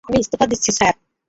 আমি ইস্তফা দিচ্ছি, স্যার।